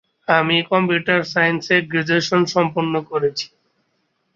সে একজন বাঁ হাতি, তাই সে বাঁ হাত দিয়ে খেলেন।